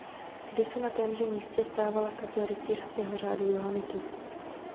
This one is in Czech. Kdysi na témže místě stávala kaple rytířského řádu johanitů.